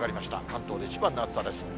関東一番の暑さです。